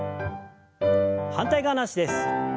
反対側の脚です。